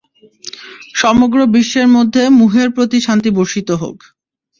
সমগ্র বিশ্বের মধ্যে মূহের প্রতি শান্তি বর্ষিত হোক।